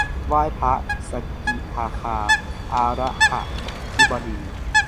ไหว้พระสกิทาคา อะระหาธิบดี